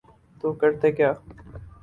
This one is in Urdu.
تو کرتے کیا۔